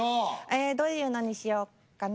えぇどういうのにしよっかな？